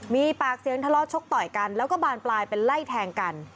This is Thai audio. มีปากเสียงทะเลาะชกต่อยกันแล้วก็บานปลายเป็นไล่แทงกัน